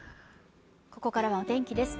ここからはお天気です